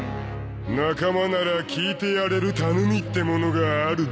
仲間なら聞いてやれる頼みってものがあるだろう？